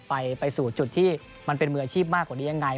ไปสู่จุดที่มันเป็นมืออาชีพมากกว่านี้ยังไง